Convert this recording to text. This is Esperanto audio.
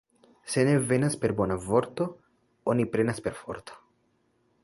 Se ne venas per bona vorto, oni prenas per forto.